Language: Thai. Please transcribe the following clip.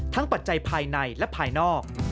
ปัจจัยภายในและภายนอก